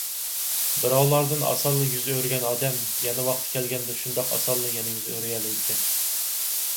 بىراۋلاردىن ئاسانلا يۈز ئۆرۈگەن ئادەم، يەنە ۋاقتى كەلگەندە شۇنداق ئاسانلا يەنە يۈز ئۆرۈيەلەيدىكەن